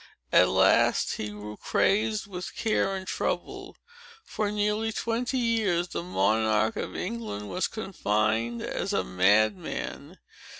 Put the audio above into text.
At last, he grew crazed with care and trouble. For nearly twenty years, the monarch of England was confined as a madman.